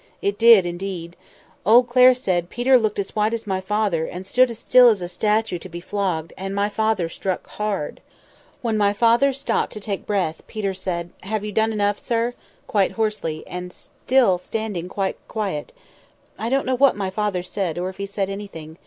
It did, indeed. Old Clare said, Peter looked as white as my father; and stood as still as a statue to be flogged; and my father struck hard! When my father stopped to take breath, Peter said, 'Have you done enough, sir?' quite hoarsely, and still standing quite quiet. I don't know what my father said—or if he said anything.